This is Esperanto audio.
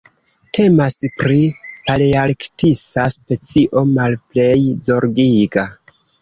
Temas pri palearktisa specio Malplej Zorgiga.